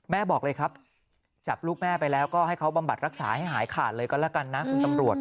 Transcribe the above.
บอกเลยครับจับลูกแม่ไปแล้วก็ให้เขาบำบัดรักษาให้หายขาดเลยก็แล้วกันนะคุณตำรวจ